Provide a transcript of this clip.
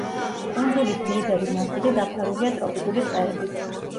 კუნძულის ძირითადი ნაწილი დაფარულია ტროპიკული ტყეებით.